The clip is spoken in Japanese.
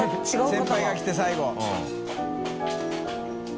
先輩が来て最後。